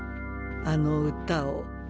あの詩を。